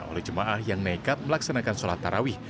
oleh jemaah yang nekat melaksanakan sholat tarawih